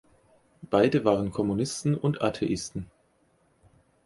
Beide waren Kommunisten und Atheisten.